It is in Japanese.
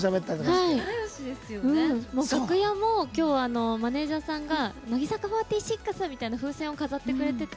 楽屋も今日マネージャーさんが「乃木坂４６」みたいな風船を飾ってくれてて。